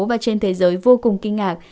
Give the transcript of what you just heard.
và trên thế giới vô cùng kinh ngạc